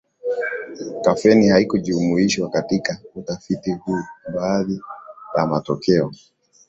Kafeni haikujumuishwa katika utafiti huu Baadhi ya matokeo